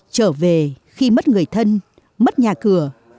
trở về khi mất người thân mất nhà cửa